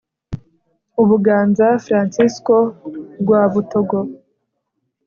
Ubuganza Fransisko Rwabutogo